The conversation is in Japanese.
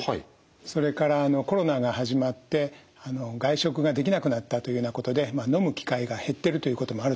それからコロナが始まって外食ができなくなったというようなことでまあ飲む機会が減っているということもあると思います。